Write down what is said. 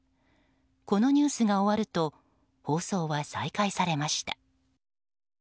このニュースが終わると放送は再開されました。